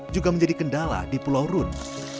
juga menjadi kendala di pulau rune